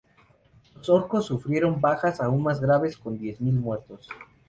Los orcos sufrieron bajas aún más graves, con diez mil muertos.